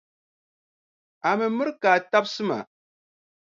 A mi mira ka a tabisi ma.